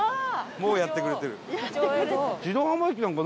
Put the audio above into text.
もうやってくれてる。